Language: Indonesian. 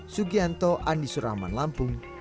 sugianto andi suraman lampung